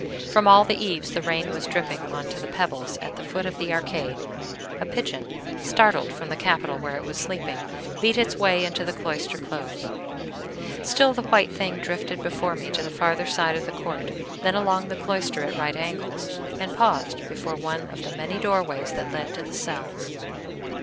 From all the eaves the rain was dripping on to the pebbles at the foot of the arcade: a pigeon, startled from the capital where it was sleeping, beat its way into the cloister close. Still the white thing drifted before me to the farther side of the court, then along the cloister at right angles, and paused before one of the many doorways that led to the cells.